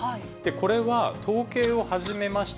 これは統計を始めました